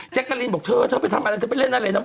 เจ็กกาลินบอกเธอพี่ไปเล่นอะไร